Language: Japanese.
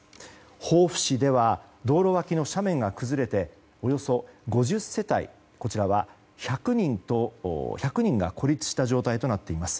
防府市では道路脇の斜面が崩れておよそ５０世帯１００人が孤立した状態となっています。